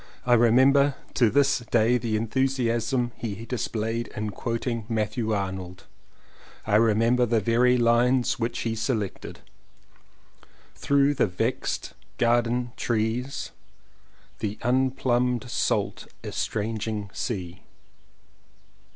I remember to this day the enthusiasm he displayed in quoting Matthew Arnold — I remember the very lines which he selected: "Through the vex'd garden trees." "The unplumbed salt estranging sea."